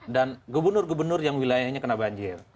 dan gubernur gubernur yang wilayahnya kena banjir